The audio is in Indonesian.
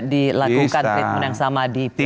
dilakukan yang sama di pilpres